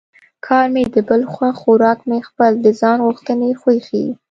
کار مې د بل خوښ خوراک مې خپل د ځان غوښتنې خوی ښيي